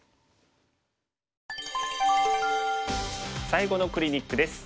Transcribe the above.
最後のクリニックです。